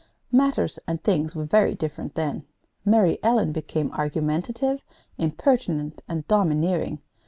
Matters and things were very different then. Mary Ellen became argumentative, impertinent, and domineering.